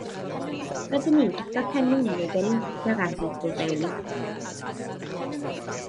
Rydyn ni'n gwisgo cennin neu gennin Pedr ar Ddydd Gŵyl Dewi.